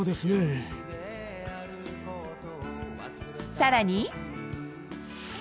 さらに。